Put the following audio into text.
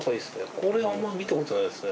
これあんま見たことないですね。